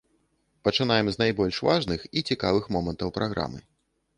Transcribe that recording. Пачынаем з найбольш важных і цікавых момантаў праграмы.